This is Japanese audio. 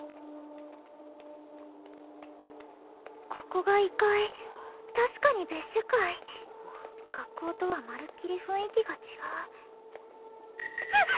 ここが異界確かに別世界学校とはまるっきり雰囲気が違うキャッ